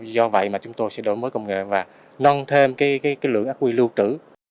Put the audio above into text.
do vậy mà chúng tôi sẽ đổi mới công nghệ và nâng thêm lượng ác quy lưu trữ